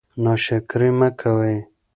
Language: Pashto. ناشکري مه کوئ.